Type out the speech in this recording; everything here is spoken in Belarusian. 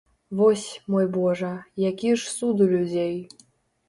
Вось, мой божа, які ж суд у людзей!